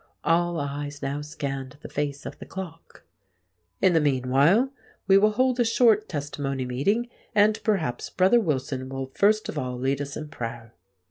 All eyes now scanned the face of the clock. "In the meanwhile, we will hold a short Testimony meeting; and perhaps Brother Wilson will first of all lead us in prayer."